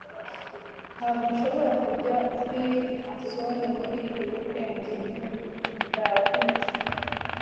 ntabwo nshobora kujya kuri onsen muri iyi weekend ndavunitse